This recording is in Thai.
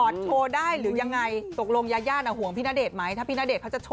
ใช้คำว่าห่วงดีกว่า